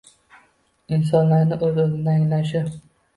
Insonlarni oʻz oʻzini anglashi